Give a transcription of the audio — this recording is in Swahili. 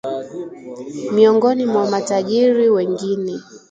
miongoni mwa matajiri wengine